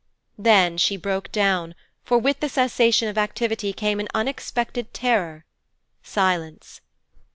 Then she broke down, for with the cessation of activity came an unexpected terror silence.